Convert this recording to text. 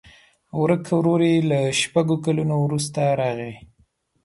ورک ورور یې له شپږو کلونو وروسته راغی.